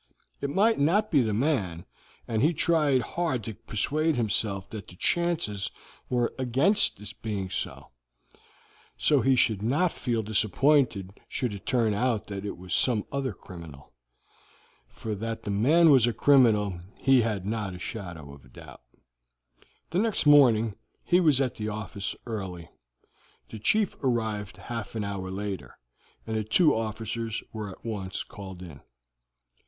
It might not be the man, and he tried hard to persuade himself that the chances were against his being so, so that he should not feel disappointed should it turn out that it was some other criminal, for that the man was a criminal he had not a shadow of doubt. The next morning he was at the office early. The chief arrived half an hour later, and the two officers were at once called in.